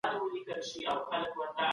د تاریخي ابداتو ساتنه زموږ دنده ده.